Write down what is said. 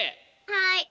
はい！